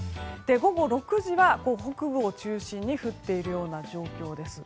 午後６時は、北部を中心に降っているような状況です。